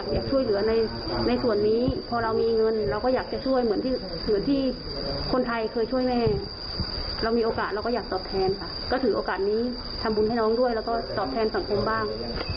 ก็ถือโอกาสนี้ทำบุญให้น้องด้วยแล้วก็ตอบแทนสังเกมบ้าง